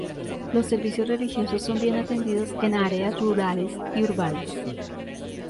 Los servicios religiosos son bien atendidos en áreas rurales y urbanas.